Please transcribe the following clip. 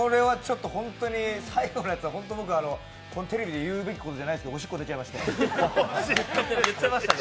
ホントに最後のやつは、テレビで言うべきことじゃないですけどおしっこ出ちゃいました。